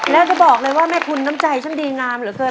แล้วจะบอกเลยว่าแม่คุณน้ำใจฉันดีงามเหลือเกิน